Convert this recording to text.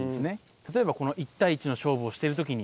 例えばこの１対１の勝負をしてる時に。